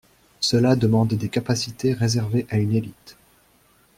Cela demande des capacités réservées à une élite.